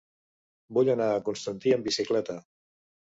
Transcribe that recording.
Vull anar a Constantí amb bicicleta.